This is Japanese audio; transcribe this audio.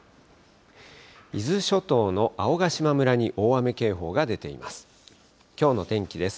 伊豆諸島の青ヶ島村に大雨警報が出ています。